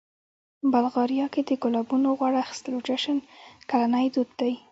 بلغاریا کې د ګلابونو غوړ اخیستلو جشن کلنی دود دی.